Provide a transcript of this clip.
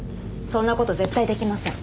そんな事絶対出来ません。